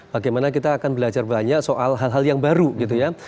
bagaimana kita akan belajar banyak soal hal hal yang baru gitu ya